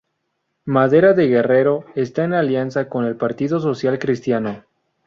Madera de Guerrero está en alianza con el Partido Social Cristiano.